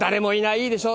いいでしょ？